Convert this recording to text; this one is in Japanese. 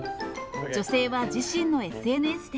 女性は自身のＳＮＳで。